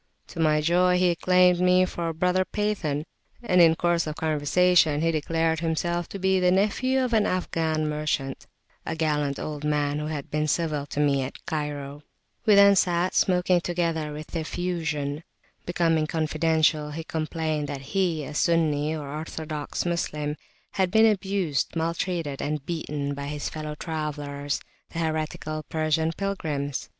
To my joy he claimed me for a brother Pathan, and in course of conversation he declared himself to be the nephew of an Afghan merchant, a gallant old man who had been civil to me at Cairo. We then sat smoking together with "effusion." Becoming confidential, he complained that he, a Sunni, or orthodox Moslem, had been abused, maltreated, and beaten by his fellow travellers, the heretical Persian pilgrims.